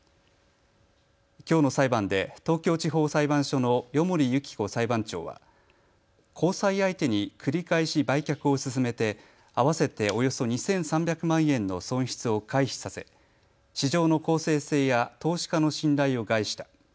きょうの裁判で東京地方裁判所の世森ユキコ裁判長は交際相手に繰り返し売却を勧めて合わせておよそ２３００万円の損失を回避させ市場の公正性や投資家の信頼を害した。